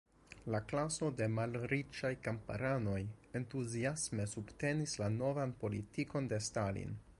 La klaso de la malriĉaj kamparanoj entuziasme subtenis la novan politikon de Stalin.